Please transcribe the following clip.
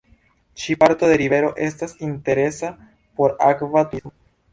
Ĉi parto de rivero estas interesa por akva turismo.